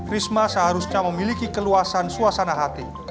risma seharusnya memiliki keluasan suasana hati